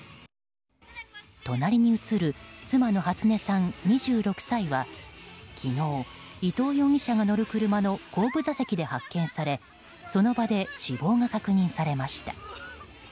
隣に映る妻の初音さん、２６歳は昨日伊藤容疑者が乗る車の後部座席で発見されその場で死亡が確認されました。